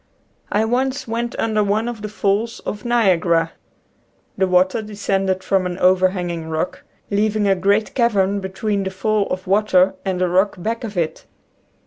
I once went under one of the falls of Niagara. The water descended from an over hanging rock, leaving a great cavern between the fall of water and the rock back of it.